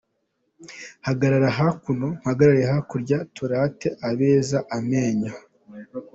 Hagarara hakuno, mpagarare hakurya turate abeza:Amenyo.